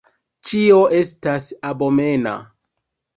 Ĉio estas abomena.